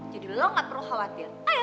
lo gak perlu khawatir